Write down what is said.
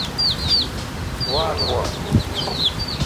واتہ وہ۔